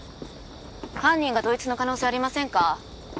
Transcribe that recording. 犯人が同一の可能性ありませんか？